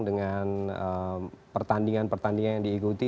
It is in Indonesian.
dengan pertandingan pertandingan yang diikuti